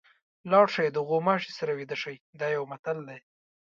لاړ شئ د غوماشي سره ویده شئ دا یو متل دی.